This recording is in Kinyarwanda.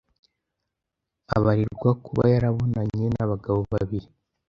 abarirwa kuba yarabonanye n’abagabo babiri